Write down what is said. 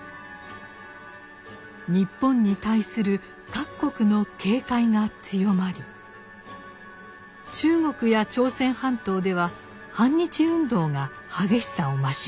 日本に対する各国の警戒が強まり中国や朝鮮半島では反日運動が激しさを増しました。